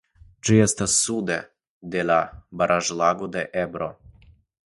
Ĝi estas sude de la Baraĵlago de Ebro.